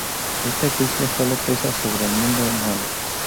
Este juicio sólo pesa sobre el mundo malo.